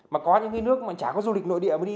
mà có những cái nước mà chả có du lịch nội địa mà đi